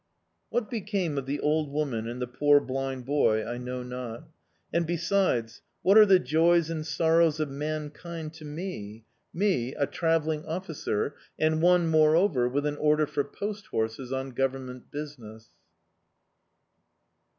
What became of the old woman and the poor blind boy I know not. And, besides, what are the joys and sorrows of mankind to me me, a travelling officer, and one, moreover, with an order for post horses on Government business?